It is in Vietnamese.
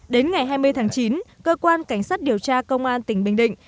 đến ngày hai mươi tháng chín cơ quan cảnh sát điều tra công an tỉnh bình định